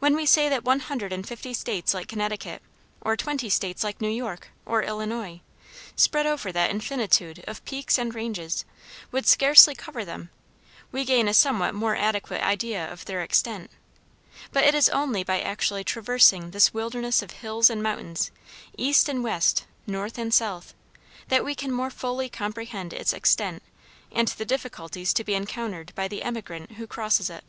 When we say that one hundred and fifty states like Connecticut, or twenty states like New York or Illinois, spread over that infinitude of peaks and ranges, would scarcely cover them, we gain a somewhat more adequate idea of their extent. But it is only by actually traversing this wilderness of hills and mountains, east and west, north and south, that we can more fully comprehend its extent and the difficulties to be encountered by the emigrant who crosses it.